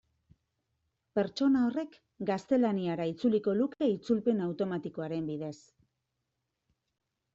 Pertsona horrek gaztelaniara itzuliko luke itzulpen automatikoaren bidez.